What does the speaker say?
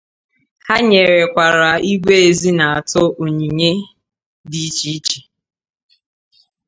Ha nyerekwara Igwe Ezinatọ onyinye di iche iche.